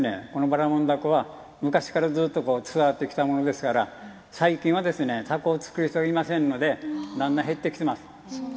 ばらもん凧は、昔からずっとつながってきたものですから最近はたこを作る人がいませんのでだんだん減ってきています。